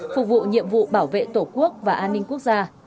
phục vụ nhiệm vụ bảo vệ tổ quốc và an ninh quốc gia